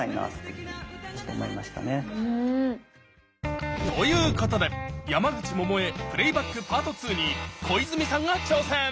うん。ということで山口百恵「プレイバックｐａｒｔ２」に小泉さんが挑戦！